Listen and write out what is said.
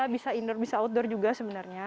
bisa indoor bisa outdoor juga sebenarnya